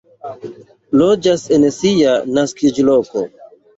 Loĝas en sia naskiĝloko.